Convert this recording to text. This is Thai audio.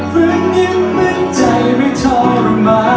ฟื้นยิ้มหัวใจไม่ทนมา